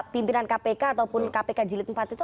pimpinan kpk ataupun kpk jilid empat itu apa aja